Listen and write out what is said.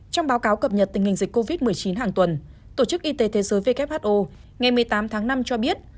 trong báo cáo cập nhật tình hình dịch covid một mươi chín hàng tuần tổ chức y tế thế giới who ngày một mươi tám tháng năm cho biết